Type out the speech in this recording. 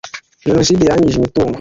Jenoside yangije imitungo .